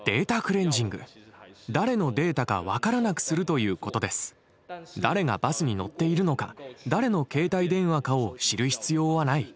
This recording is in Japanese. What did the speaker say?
最も大事なのは誰がバスに乗っているのか誰の携帯電話かを知る必要はない。